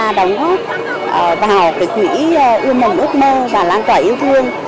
và đóng góp vào quỹ yêu mộng ước mơ và lan tỏa yêu mộng